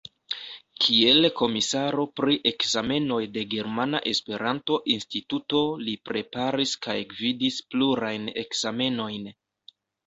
Kiel komisaro pri ekzamenoj de Germana Esperanto-Instituto li preparis kaj gvidis plurajn ekzamenojn.